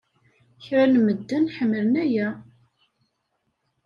Kra n medden ḥemmlen aya.